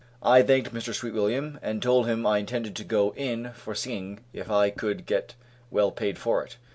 I thanked Mr. Sweetwilliam, and told him I intended to go in for singing if I could get well paid for it.